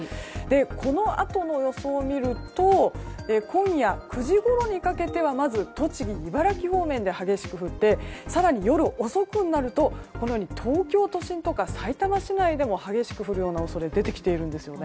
このあとの予想を見ると今夜９時ごろにかけてはまず栃木、茨城方面で激しく降って更に夜遅くになるとこのように東京都心とかさいたま市内でも激しく降る恐れが出てきているんですね。